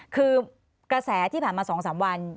คือกระแสที่ผ่านมา๒๓วัน